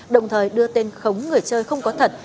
đồng thời đưa tên khống người chơi không có thật